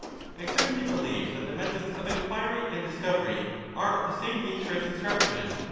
I certainly believe that the methods of enquiry and discovery are of the same natiu^e as instruction.